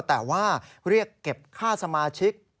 แต่ว่าเรียกเก็บค่าสมาชิก